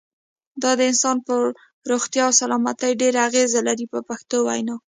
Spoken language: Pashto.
دا د انسان پر روغتیا او سلامتیا ډېره اغیزه لري په پښتو وینا.